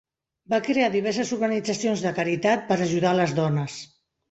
Va crear diverses organitzacions de caritat per ajudar les dones.